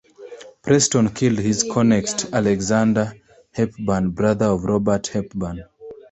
Preston killed his Cornet Alexander Hepburn (brother of Robert Hepburn).